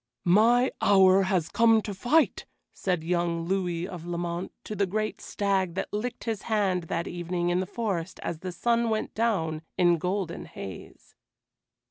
"My hour has come to fight," said young Louis of Lamont to the great stag that licked his hand that evening in the forest as the sun went down in golden haze.